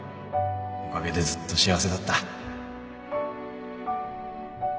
おかげでずっと幸せだった